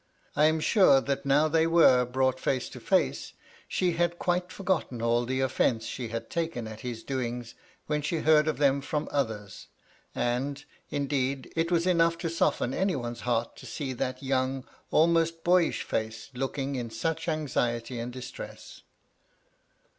I am sure that now they were brought face to face, she had quite forgotten all the offence she had taken at his doings when she heard of them from others ; and, indeed, it was enough to soften any one's heart to see that young, almost boyish face, looking in such anxiety and distress.